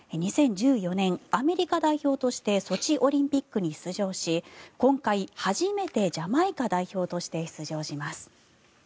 ２０１４年、アメリカ代表としてソチオリンピックに出場し今回、初めてジャマイカ代表として出場します。